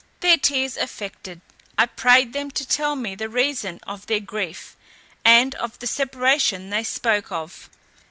Their tears affected. I prayed them to tell me the reason of their grief, and of the separation they spoke of.